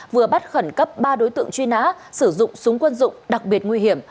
vừa bắt khẩn cấp ba đối tượng truy nã sử dụng súng quân dụng đặc biệt nguy hiểm